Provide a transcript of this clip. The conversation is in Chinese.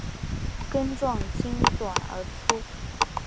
根状茎短而粗。